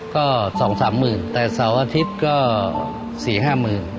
ก็๒๓หมื่นแต่เสาร์อาทิตย์ก็๔๕๐๐๐บาท